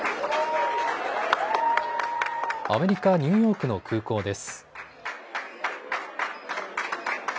アメリカ・ニューヨークの空港です。